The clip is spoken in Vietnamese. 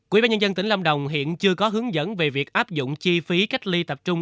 quỹ ban nhân dân tỉnh lâm đồng hiện chưa có hướng dẫn về việc áp dụng chi phí cách ly tập trung